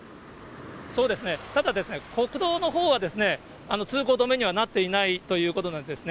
ただ、国道のほうは通行止めにはなっていないということなんですね。